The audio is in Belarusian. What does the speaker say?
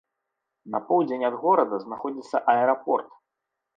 На поўдзень ад горада знаходзіцца аэрапорт.